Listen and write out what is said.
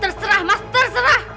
terserah mas terserah